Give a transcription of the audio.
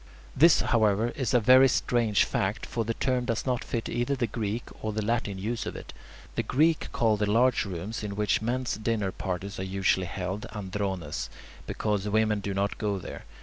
This, however, is a very strange fact, for the term does not fit either the Greek or the Latin use of it. The Greeks call the large rooms in which men's dinner parties are usually held [Greek: andrones], because women do not go there.